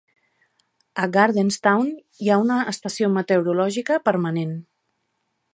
A Gardenstown hi ha una estació meteorològica permanent.